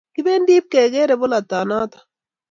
Kipendi pkekere polotot noto